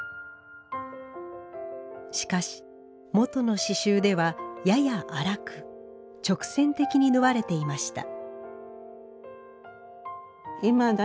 しかし元の刺繍ではやや粗く直線的に縫われていました